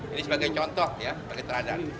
ini sebagai contoh ya bagi terhadap